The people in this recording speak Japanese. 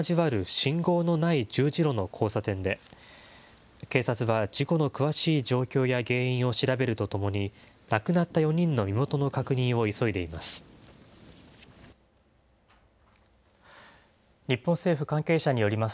信号のない十字路の交差点で、警察は事故の詳しい状況や原因を調べるとともに、亡くなった４人の身元の確認を急いでいます。